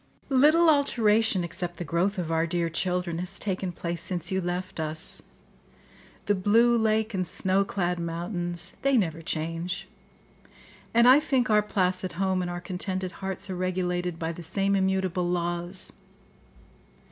"Little alteration, except the growth of our dear children, has taken place since you left us. The blue lake and snow clad mountains—they never change; and I think our placid home and our contented hearts are regulated by the same immutable laws.